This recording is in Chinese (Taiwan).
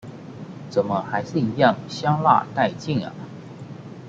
怎麼還是一樣香辣帶勁啊！